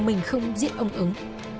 mình không diễn ông ứng